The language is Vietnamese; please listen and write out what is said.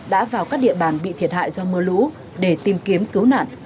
đã vào các địa bàn bị thiệt hại do mưa lũ để tìm kiếm cứu nạn